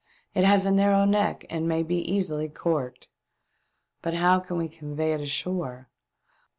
It has a narrow neck and may be easily corked. But how can we convey it ashore.